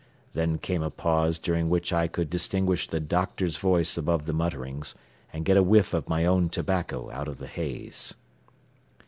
Then came a pause during which I could distinguish the "doctor's" voice above the mutterings, and get a whiff of my own tobacco out of the haze.